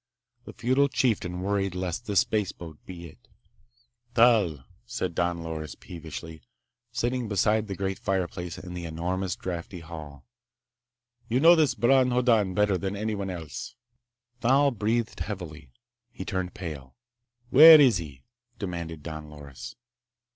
The feudal chieftain worried lest this spaceboat be it. "Thal," said Don Loris peevishly, sitting beside the great fireplace in the enormous, draughty hall, "you know this Bron Hoddan better than anybody else." Thal breathed heavily. He turned pale. "Where is he?" demanded Don Loris.